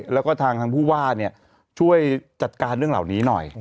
แล้วก็ทางผู้ว่าช่วยจัดการเรื่องเหล่านี้หน่อย